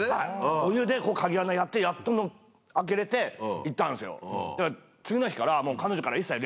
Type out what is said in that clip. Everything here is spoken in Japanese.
お湯で鍵穴やってやっと開けれて行ったんですよ。